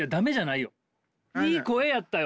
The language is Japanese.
いい声やったよ。